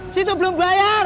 situ belum bayar